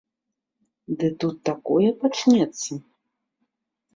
Ды тут такое пачнецца!